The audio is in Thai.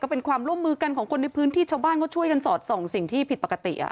เป็นความร่วมมือกันของคนในพื้นที่ชาวบ้านเขาช่วยกันสอดส่องสิ่งที่ผิดปกติ